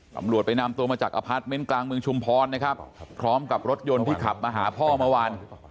ตำรวจไปนำตัวมาจากอพาร์ทเมนต์กลางเมืองชุมพรนะครับพร้อมกับรถยนต์ที่ขับมาหาพ่อเมื่อวาน